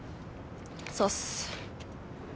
そうっす。